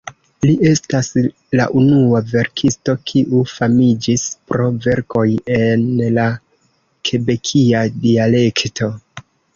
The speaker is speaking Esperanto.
Li estas la unua verkisto, kiu famiĝis pro verkoj en la kebekia dialekto.